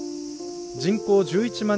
人口１１万